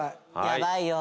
やばいよ。